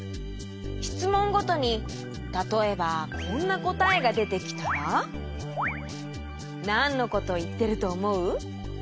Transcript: しつもんごとにたとえばこんなこたえがでてきたらなんのこといってるとおもう？